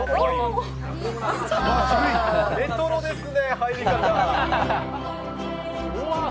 レトロですね、入り方。